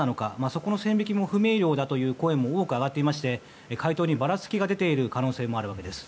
そこの線引きも不明瞭だという声も多く上がっており回答にばらつきが出ている可能性もあるわけです。